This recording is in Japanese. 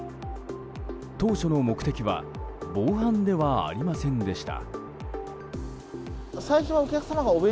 当初の目的は防犯ではありませんでした。